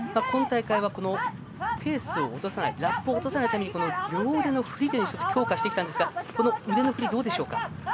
今大会はペースを落とさないラップを落とさないために両腕の振りを強化してきましたが腕の振りはどうでしょうか？